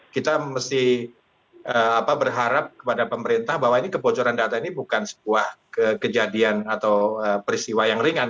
kita mesti berharap kepada pemerintah bahwa ini kebocoran data ini bukan sebuah kejadian atau peristiwa yang ringan